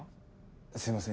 すいません